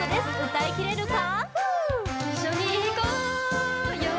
歌いきれるか？